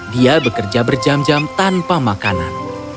dia bekerja berjam jam tanpa makanan